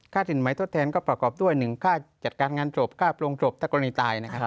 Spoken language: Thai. ค่าถิ่นหมายโทษแทนก็ประกอบด้วย๑ค่าจัดการงานโทษค่าโปรงโทษถ้ากรณีตาย